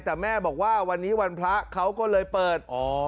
แต่แม่บอกว่าวันนี้วันพระเขาก็เลยเปิด